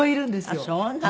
あっそうなの。